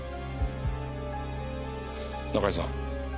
中井さん